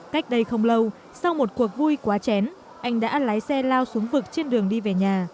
cách đây không lâu sau một cuộc vui quá chén anh đã lái xe lao xuống vực trên đường đi về nhà